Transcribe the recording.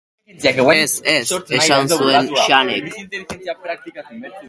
Ez, ez, esan zuen Xanek.